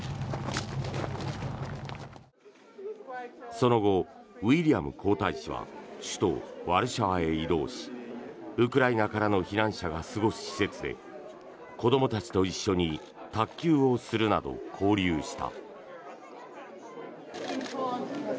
その後、ウィリアム皇太子は首都ワルシャワへ移動しウクライナからの避難者が過ごす施設で子どもたちと一緒に卓球をするなど交流した。